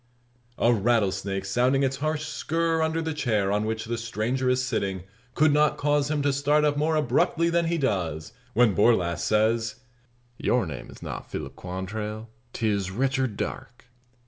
A rattlesnake sounding its harsh "skirr" under the chair on which the stranger is sitting could not cause him to start up more abruptly than he does, when Borlasse says: "Your name is not Philip Quantrell: 'tis Richard Darke!"